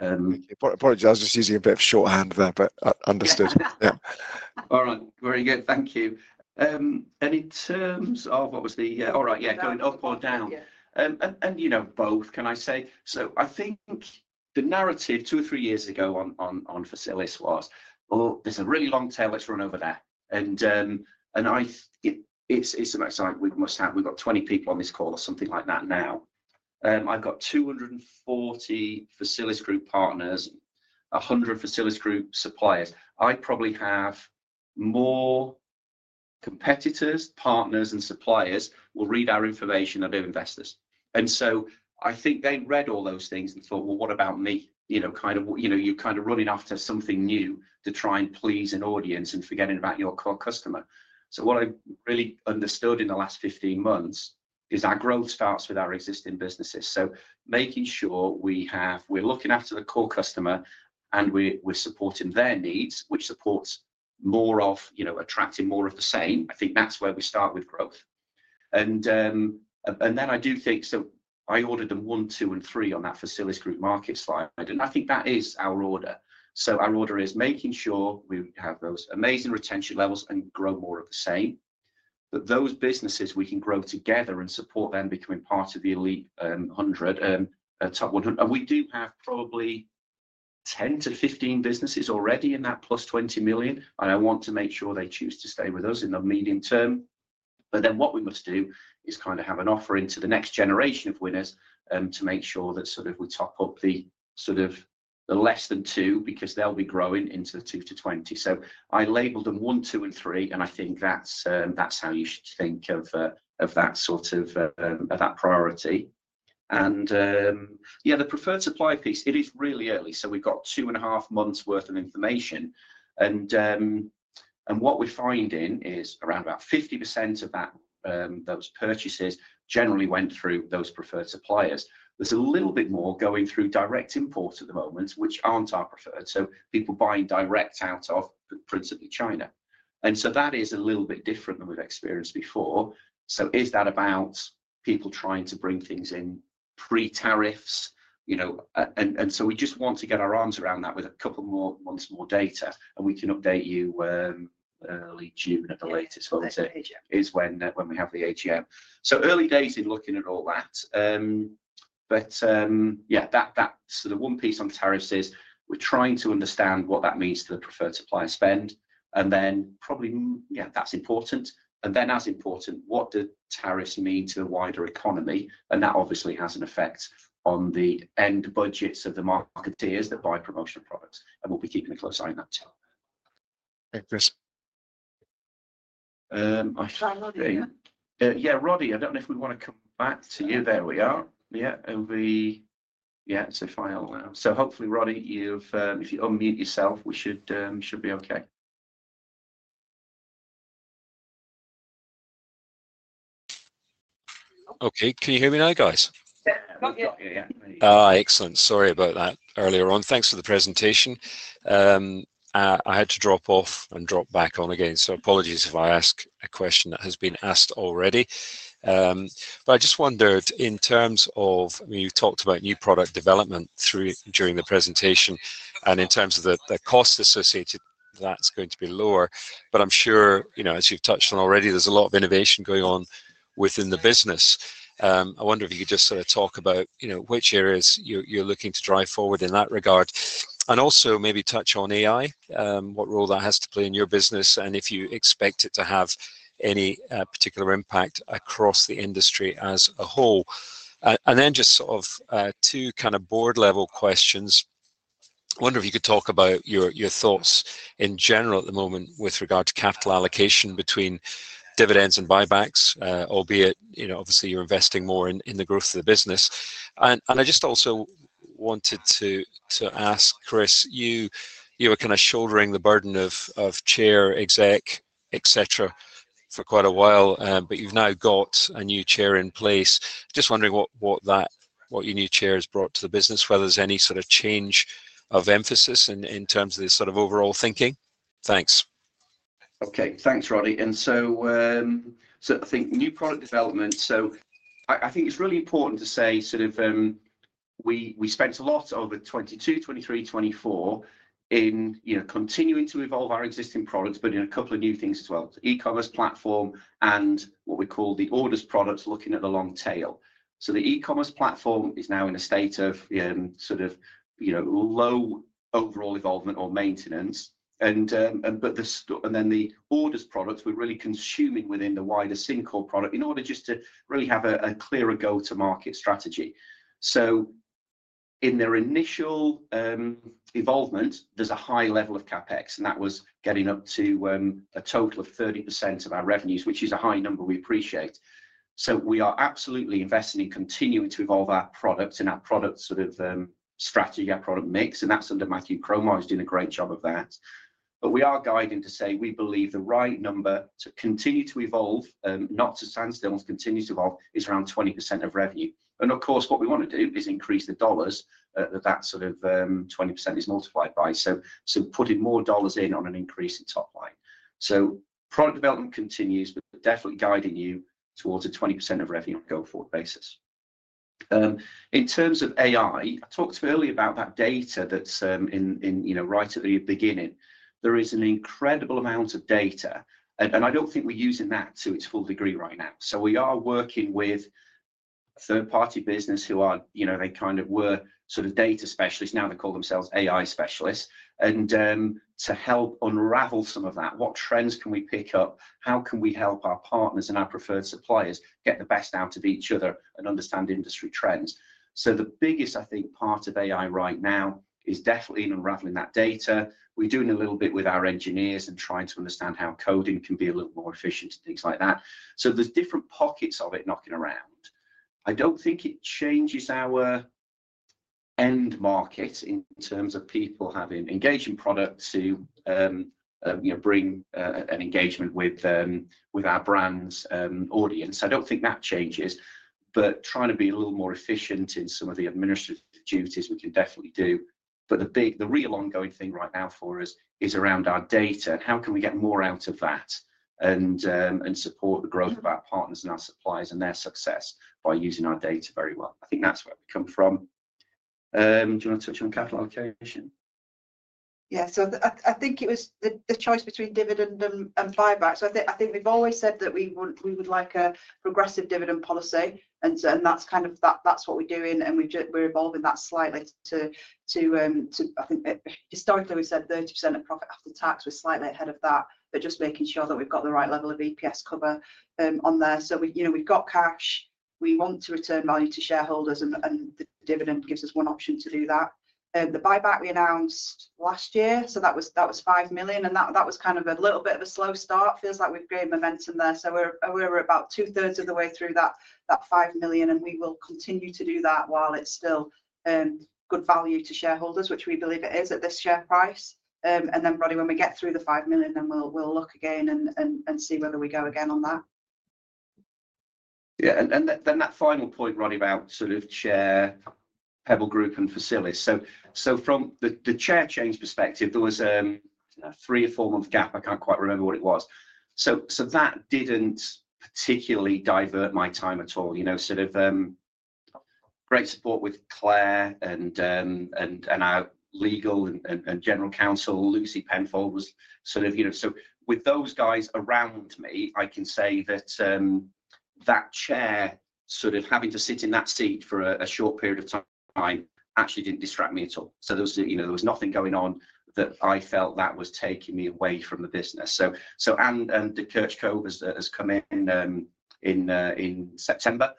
attractive than the bigger picture. Apologies. I was just using a bit of shorthand there, but understood. Yeah. All right. Very good. Thank you. In terms of what was the all right, yeah, going up or down? Both, can I say? I think the narrative two or three years ago on facilis was, "Oh, there's a really long tail. Let's run over there." It is about saying, "We've got 20 people on this call or something like that now." I've got 240 Facilisgroup partners, 100 Facilisgroup suppliers. I probably have more competitors, partners, and suppliers who will read our information than investors. I think they read all those things and thought, "What about me?" You are kind of running after something new to try and please an audience and forgetting about your core customer. What I really understood in the last 15 months is our growth starts with our existing businesses. Making sure we're looking after the core customer and we're supporting their needs, which supports more of attracting more of the same, I think that's where we start with growth. I do think I ordered them one, two, and three on that Facilisgroup market slide. I think that is our order. Our order is making sure we have those amazing retention levels and grow more of the same. Those businesses, we can grow together and support them becoming part of the elite 100, top 100. We do have probably 10-15 businesses already in that plus $20 million. I want to make sure they choose to stay with us in the medium term. What we must do is kind of have an offering to the next generation of winners to make sure that we top up the less than two because they'll be growing into the 2-20. I labeled them one, two, and three. I think that's how you should think of that priority. The preferred supply piece, it is really early. We've got two and a half months' worth of information. What we're finding is around about 50% of those purchases generally went through those preferred suppliers. There's a little bit more going through direct import at the moment, which aren't our preferred. People are buying direct out of principally China. That is a little bit different than we've experienced before. Is that about people trying to bring things in pre-tariffs? We just want to get our arms around that with a couple more months more data. We can update you early June at the latest, won't it? That's the AGM. Is when we have the AGM. Early days in looking at all that. Yeah, the one piece on tariffs is we're trying to understand what that means to the preferred supply spend. That's important. As important, what do tariffs mean to the wider economy? That obviously has an effect on the end budgets of the marketeers that buy promotional products. We'll be keeping a close eye on that too. Thanks, Chris. Yeah, Roddy, I don't know if we want to come back to you. There we are. Yeah. Yeah. Final now. Hopefully, Roddy, if you unmute yourself, we should be okay. Okay. Can you hear me now, guys? Yeah. Yeah. Yeah. Excellent. Sorry about that earlier on. Thanks for the presentation. I had to drop off and drop back on again. Apologies if I ask a question that has been asked already. I just wondered, in terms of, I mean, you've talked about new product development during the presentation. In terms of the cost associated, that's going to be lower. I'm sure, as you've touched on already, there's a lot of innovation going on within the business. I wonder if you could just sort of talk about which areas you're looking to drive forward in that regard. Also maybe touch on AI, what role that has to play in your business, and if you expect it to have any particular impact across the industry as a whole. Just sort of two kind of board-level questions. I wonder if you could talk about your thoughts in general at the moment with regard to capital allocation between dividends and buybacks, albeit obviously you're investing more in the growth of the business. I just also wanted to ask, Chris, you were kind of shouldering the burden of chair, exec, etc., for quite a while, but you've now got a new chair in place. Just wondering what your new chair has brought to the business, whether there's any sort of change of emphasis in terms of this sort of overall thinking. Thanks. Okay. Thanks, Roddy. I think new product development. I think it's really important to say we spent a lot over 2022, 2023, 2024 in continuing to evolve our existing products, but in a couple of new things as well. E-commece platform and what we call the older products, looking at the long tail. The e-commerce platform is now in a state of low overall evolvement or maintenance. The older products, we're really consuming within the wider Syncore product in order just to really have a clearer go-to-market strategy. In their initial evolvement, there's a high level of CapEx. That was getting up to a total of 30% of our revenues, which is a high number we appreciate. We are absolutely investing in continuing to evolve our products and our product strategy, our product mix. That is under Matthew Cromar. He has done a great job of that. We are guiding to say we believe the right number to continue to evolve, not to stand still, and continue to evolve is around 20% of revenue. Of course, what we want to do is increase the dollars that that sort of 20% is multiplied by, putting more dollars in on an increase in top line. Product development continues, but definitely guiding you towards a 20% of revenue on a go-forward basis. In terms of AI, I talked to you earlier about that data that is right at the beginning. There is an incredible amount of data. I do not think we are using that to its full degree right now. We are working with third-party business who are, they kind of were sort of data specialists. Now they call themselves AI specialists. To help unravel some of that, what trends can we pick up? How can we help our partners and our preferred suppliers get the best out of each other and understand industry trends? The biggest, I think, part of AI right now is definitely in unraveling that data. We're doing a little bit with our engineers and trying to understand how coding can be a little more efficient and things like that. There are different pockets of it knocking around. I don't think it changes our end market in terms of people having engaging products to bring an engagement with our brand's audience. I don't think that changes. Trying to be a little more efficient in some of the administrative duties we can definitely do. The real ongoing thing right now for us is around our data. How can we get more out of that and support the growth of our partners and our suppliers and their success by using our data very well? I think that's where we come from. Do you want to touch on capital allocation? Yeah. I think it was the choice between dividend and buyback. I think we've always said that we would like a progressive dividend policy. That's what we're doing. We're evolving that slightly. I think historically, we said 30% of profit after tax. We're slightly ahead of that, but just making sure that we've got the right level of EPS cover on there. We've got cash. We want to return value to shareholders. The dividend gives us one option to do that. The buyback we announced last year, that was 5 million. That was a little bit of a slow start. Feels like we've gained momentum there. We're about two-thirds of the way through that 5 million. We will continue to do that while it's still good value to shareholders, which we believe it is at this share price. Roddy, when we get through the $5 million, we will look again and see whether we go again on that. Yeah. That final point, Roddy, about sort of chair Pebble Group and Facilisgroup. From the chair change perspective, there was a three or four-month gap. I can't quite remember what it was. That didn't particularly divert my time at all. Great support with Claire and our Legal and General Counsel, Lucy Penfold, so with those guys around me, I can say that that chair, having to sit in that seat for a short period of time, actually didn't distract me at all. There was nothing going on that I felt was taking me away from the business. Anne de Kerckhove has come in in September.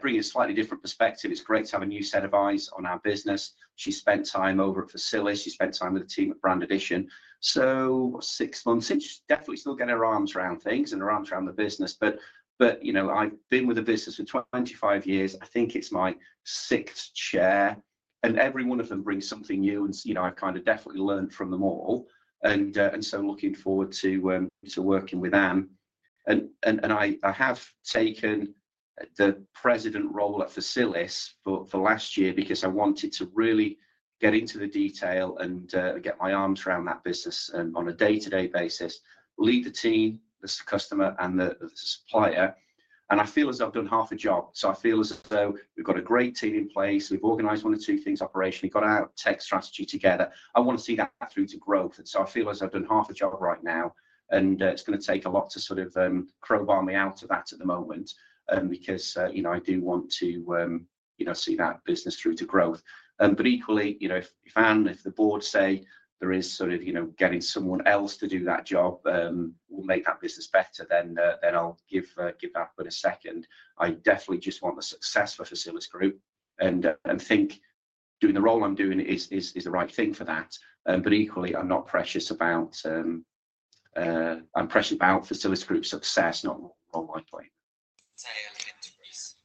Bringing a slightly different perspective. It's great to have a new set of eyes on our business. She spent time over at Facilisgroup. She spent time with a team at Brand Addition. Six months in, she's definitely still getting her arms around things and her arms around the business. I have been with the business for 25 years. I think it's my sixth chair. Every one of them brings something new. I have definitely learned from them all. I am looking forward to working with them. I have taken the president role at Facilisgroup for last year because I wanted to really get into the detail and get my arms around that business on a day-to-day basis, lead the team, the customer, and the supplier. I feel as though I have done half a job. I feel as though we have got a great team in place. We have organized one or two things operationally. We have got our tech strategy together. I want to see that through to growth. I feel as though I've done half a job right now. It's going to take a lot to sort of crowbar me out of that at the moment because I do want to see that business through to growth. Equally, if the board say there is sort of getting someone else to do that job will make that business better, then I'll give that but a second. I definitely just want the success for Facilisgroup. I think doing the role I'm doing is the right thing for that. Equally, I'm not precious about it. I'm precious about Facilisgroup's success, not my point.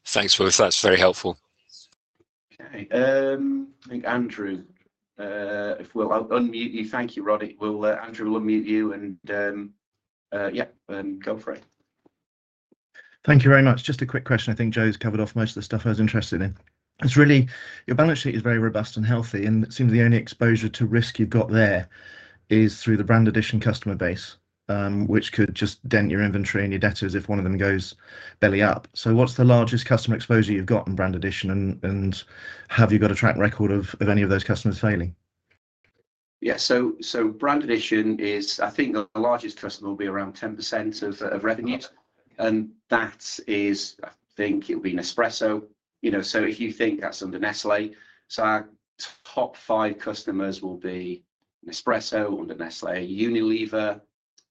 Thanks for that, it's very helpful. Okay. I think Andrew, if we'll unmute you. Thank you, Roddy. Andrew will unmute you. Yeah, go for it. Thank you very much. Just a quick question. I think Joe's covered off most of the stuff I was interested in. Your balance sheet is very robust and healthy. It seems the only exposure to risk you've got there is through the Brand Addition customer base, which could just dent your inventory and your debtors if one of them goes belly up. What's the largest customer exposure you've got in Brand Addition? Have you got a track record of any of those customers failing? Yeah. Brand Addition is, I think the largest customer will be around 10% of revenues. That is, I think it will be Nespresso. If you think, that's under Nestlé. Our top five customers will be Nespresso, under Nestlé,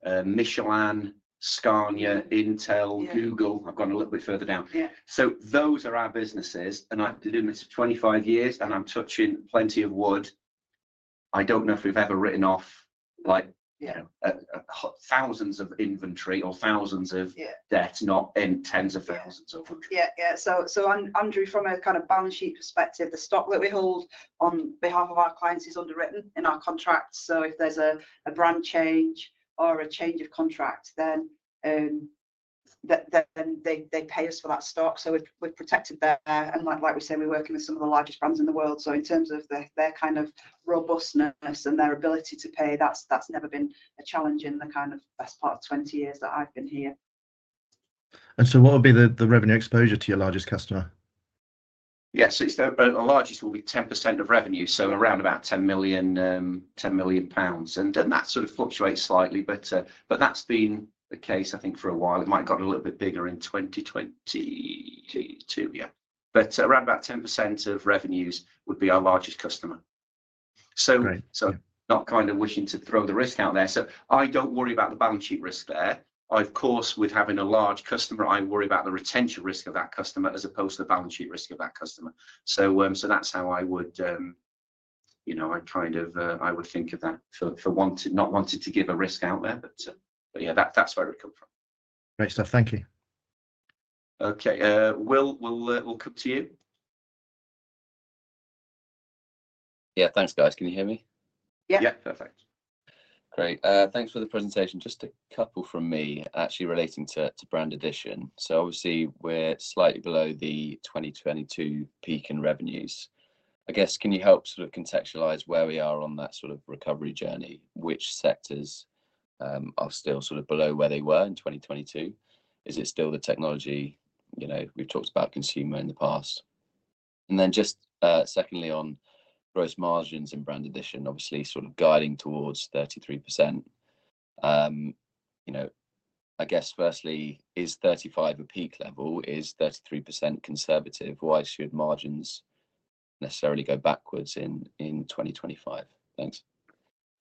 Unilever, Michelin, Scania, Intel, Google. I've gone a little bit further down. Those are our businesses. I've been doing this for 25 years. I'm touching plenty of wood. I don't know if we've ever written off thousands of inventory or thousands of debts, not in tens of thousands or hundreds. Yeah. Yeah. Andrew, from a kind of balance sheet perspective, the stock that we hold on behalf of our clients is underwritten in our contracts. If there's a brand change or a change of contract, then they pay us for that stock. We have protected that. Like we said, we're working with some of the largest brands in the world. In terms of their kind of robustness and their ability to pay, that's never been a challenge in the best part of 20 years that I've been here. What would be the revenue exposure to your largest customer? Yeah. Our largest will be 10% of revenue, so around about 10 million. That sort of fluctuates slightly, but that's been the case, I think, for a while. It might have got a little bit bigger in 2022. Yeah, but around about 10% of revenues would be our largest customer. Not kind of wishing to throw the risk out there, so I do not worry about the balance sheet risk there. Of course, with having a large customer, I worry about the retention risk of that customer as opposed to the balance sheet risk of that customer. That's how I would think of that for not wanting to give a risk out there. Yeah, that's where we come from. Great stuff. Thank you. Okay. Will, we'll come to you. Yeah. Thanks, guys. Can you hear me? Yeah. Yeah. Perfect. Great. Thanks for the presentation. Just a couple from me, actually relating to Brand Addition. Obviously, we're slightly below the 2022 peak in revenues. I guess, can you help sort of contextualize where we are on that sort of recovery journey? Which sectors are still sort of below where they were in 2022? Is it still the technology? We've talked about consumer in the past. Just secondly, on gross margins in Brand Addition, obviously sort of guiding towards 33%. I guess, firstly, is 35% a peak level? Is 33% conservative? Why should margins necessarily go backwards in 2025? Thanks.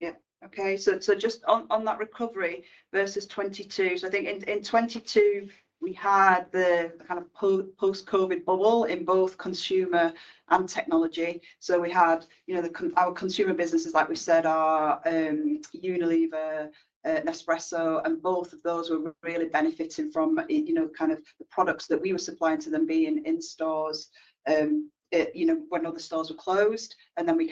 Yeah. Okay. Just on that recovery versus 2022. I think in 2022, we had the kind of post-COVID bubble in both consumer and technology. We had our consumer businesses, like we said, are Unilever, Nespresso, and both of those were really benefiting from kind of the products that we were supplying to them being in stores when other stores were closed. We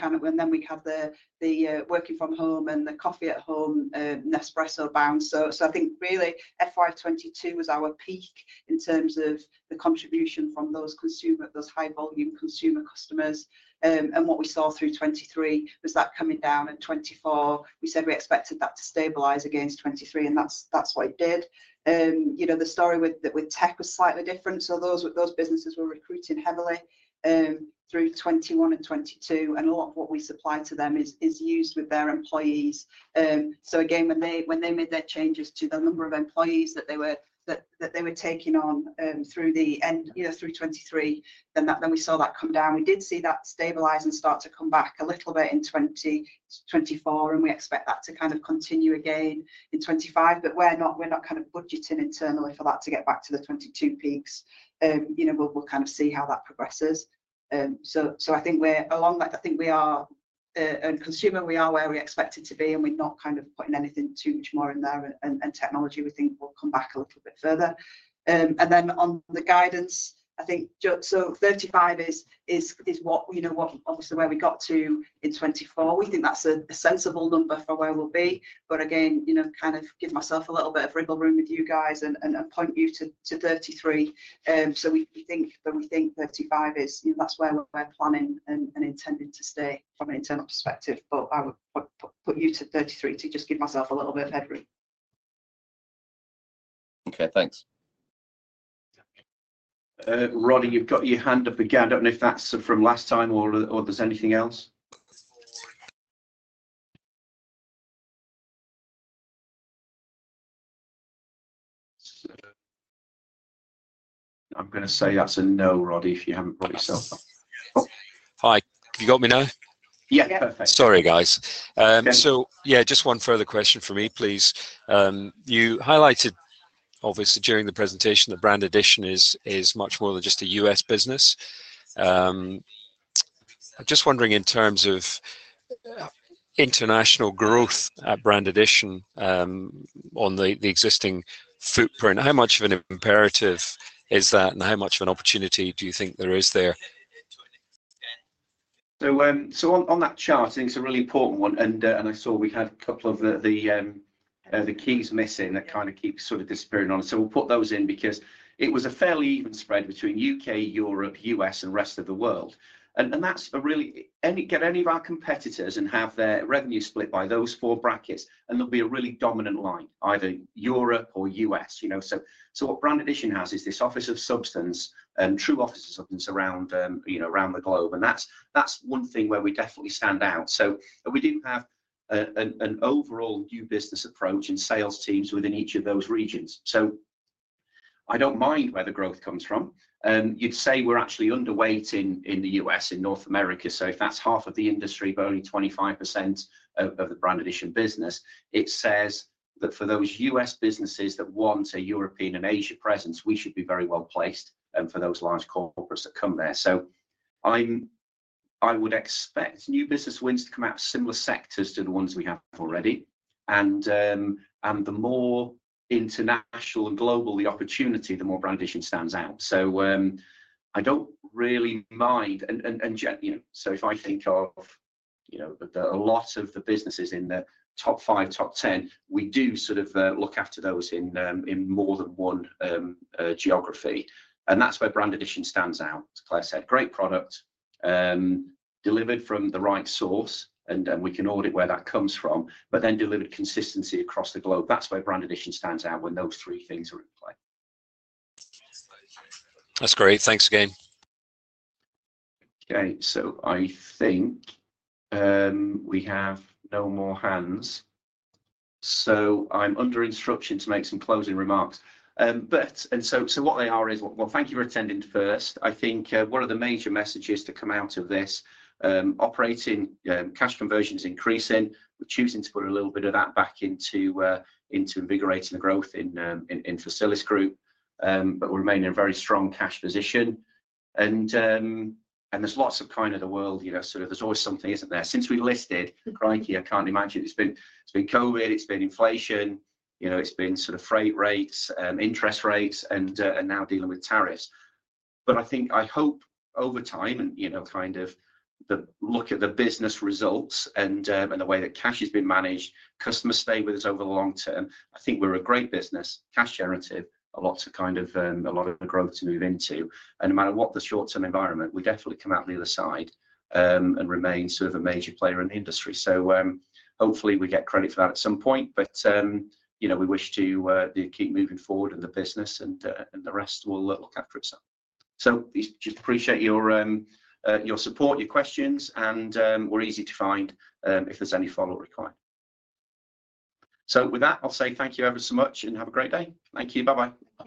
had the working from home and the coffee-at-home Nespresso bounce. I think really fiscal year 2022 was our peak in terms of the contribution from those high-volume consumer customers. What we saw through 2023 was that coming down. In 2024, we said we expected that to stabilize against 2023. That is what it did. The story with tech was slightly different. Those businesses were recruiting heavily through 2021 and 2022. A lot of what we supply to them is used with their employees. When they made their changes to the number of employees that they were taking on through the end, through 2023, we saw that come down. We did see that stabilize and start to come back a little bit in 2024. We expect that to kind of continue again in 2025. We are not kind of budgeting internally for that to get back to the 2022 peaks. We will kind of see how that progresses. I think we are along that. I think we are a consumer. We are where we expected to be. We are not kind of putting anything too much more in there. Technology, we think, will come back a little bit further. On the guidance, I think 35% is what obviously where we got to in 2024. We think that is a sensible number for where we will be. Again, kind of give myself a little bit of wriggle room with you guys and point you to 33%. We think 35% is where we are planning and intending to stay from an internal perspective. I would put you to 2033 to just give myself a little bit of headroom. Okay. Thanks. Roddy, you've got your hand up again. I don't know if that's from last time or there's anything else. I'm going to say that's a no, Roddy, if you haven't brought yourself up. Hi. Can you got me now? Yeah. Perfect. Sorry, guys. Yeah, just one further question for me, please. You highlighted, obviously, during the presentation that Brand Addition is much more than just a US business. Just wondering in terms of international growth at Brand Addition on the existing footprint, how much of an imperative is that? How much of an opportunity do you think there is there? On that chart, I think it's a really important one. I saw we had a couple of the keys missing that kind of keep sort of disappearing on it. We'll put those in because it was a fairly even spread between UK, Europe, US, and rest of the world. That's a really, get any of our competitors and have their revenue split by those four brackets, and there'll be a really dominant line, either Europe or US. What Brand Addition has is this office of substance and true office of substance around the globe. That's one thing where we definitely stand out. We do have an overall new business approach and sales teams within each of those regions. I don't mind where the growth comes from. You'd say we're actually underweight in the US, in North America. If that's half of the industry, but only 25% of the Brand Addition business, it says that for those U.S. businesses that want a European and Asia presence, we should be very well placed for those large corporates that come there. I would expect new business wins to come out of similar sectors to the ones we have already. The more international and global the opportunity, the more Brand Addition stands out. I don't really mind. If I think of a lot of the businesses in the top 5, top 10, we do sort of look after those in more than one geography. That's where Brand Addition stands out, as Claire said. Great product, delivered from the right source, and we can audit where that comes from, but then delivered consistency across the globe. That's where Brand Addition stands out when those three things are in play. That's great. Thanks again. Okay. I think we have no more hands. I am under instruction to make some closing remarks. What they are is, thank you for attending first. I think one of the major messages to come out of this is operating cash conversion is increasing. We are choosing to put a little bit of that back into invigorating the growth in Facilisgroup, but we are remaining in a very strong cash position. There is lots of, kind of, the world, sort of, there is always something, isn't there? Since we listed, crikey, I cannot imagine. It has been COVID. It has been inflation. It has been freight rates, interest rates, and now dealing with tariffs. I think I hope over time and kind of look at the business results and the way that cash has been managed, customers stay with us over the long term, I think we're a great business, cash-generative, a lot to kind of a lot of growth to move into. No matter what the short-term environment, we definitely come out the other side and remain sort of a major player in the industry. Hopefully, we get credit for that at some point. We wish to keep moving forward in the business, and the rest will look after itself. I just appreciate your support, your questions, and we're easy to find if there's any follow-up required. With that, I'll say thank you ever so much and have a great day. Thank you. Bye-bye.